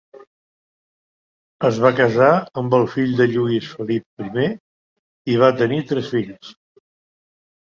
Es va casar amb el fill de Lluís Felip I i va tenir tres fills.